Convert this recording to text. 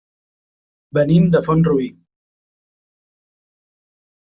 Venim de Font-rubí.